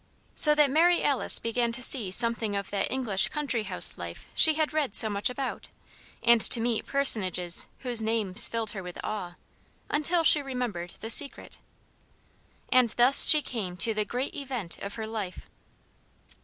So that Mary Alice began to see something of that English country house life she had read so much about, and to meet personages whose names filled her with awe until she remembered the Secret. And thus she came to the Great Event of her life.